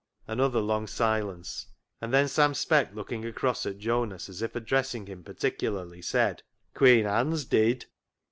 Another long silence ; and then Sam Speck, looking across at Jonas as if addressing him particularly, said —" Queen Anne's deead."